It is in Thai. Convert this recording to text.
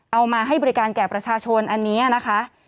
มาให้บริการแก่ประชาชนอันนี้นะคะ